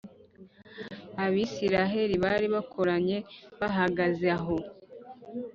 “abisiraheli bari bakoranye bahagaze aho.”